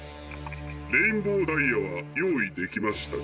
レインボーダイヤはよういできましたか？